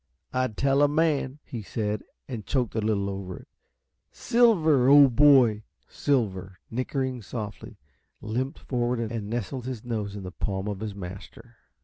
"I'd tell a man!" he said, and choked a little over it. "Silver, old boy!" Silver, nickering softly, limped forward and nestled his nose in the palm of his master.